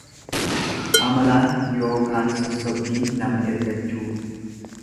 Amalaan yookaan sossobbiin nama ergachuu.